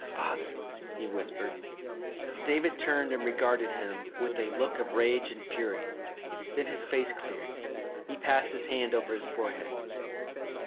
"Father," he whispered. David turned and regarded him with a look of rage and fury, then his face cleared; he passed his hand over his forehead.